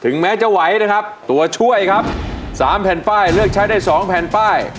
แม้จะไหวนะครับตัวช่วยครับ๓แผ่นป้ายเลือกใช้ได้๒แผ่นป้าย